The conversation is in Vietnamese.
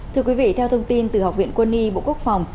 thưa quý vị theo thông tin từ học viện quân y bộ quốc phòng